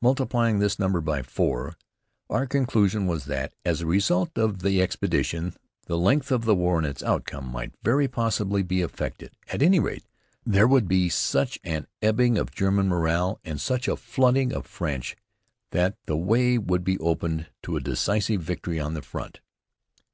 Multiplying this number by four, our conclusion was that, as a result of the expedition, the length of the war and its outcome might very possibly be affected. At any rate, there would be such an ebbing of German morale, and such a flooding of French, that the way would be opened to a decisive victory on that front.